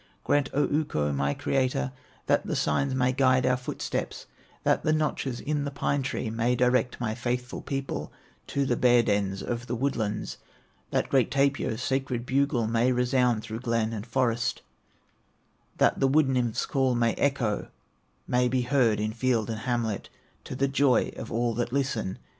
"Grant, O Ukko, my Creator, That the signs may guide our footsteps, That the notches in the pine tree May direct my faithful people To the bear dens of the woodlands; That great Tapio's sacred bugle May resound through glen and forest; That the wood nymph's call may echo, May be heard in field and hamlet, To the joy of all that listen!